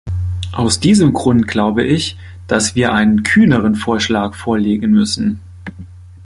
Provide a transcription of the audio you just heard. Aus diesem Grund glaube ich, dass wir einen kühneren Vorschlag vorlegen müssen.